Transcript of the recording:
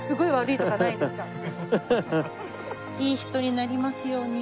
いい人になりますように。